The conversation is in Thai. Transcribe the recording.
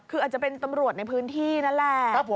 คืออาจจะเป็นตำรวจในพื้นที่นั่นแหละ